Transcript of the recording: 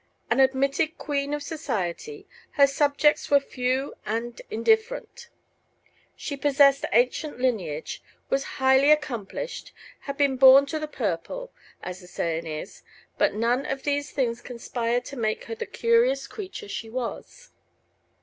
An admitted queen of society, her subjects were few and indifferent. She possessed ancient lineage, was highly accomplished, had been born to the purple, as the saying is; but none of these things conspired to make her the curious creature she was.